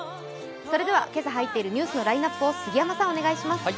それでは今朝入っているニュースのラインナップを杉山さんお願いします。